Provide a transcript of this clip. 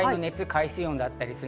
海水温だったりする。